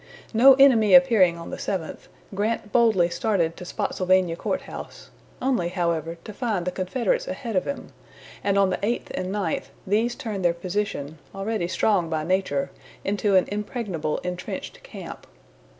No enemy appearing on the seventh, Grant boldly started to Spottsylvania Court House, only, however, to find the Confederates ahead of him; and on the eighth and ninth these turned their position, already strong by nature, into an impregnable intrenched camp.